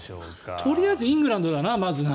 とりあえずイングランドだなまずは。